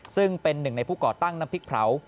ซึ่งเป็นหนึ่งในผู้ก่อตั้งน้ำพริกเผา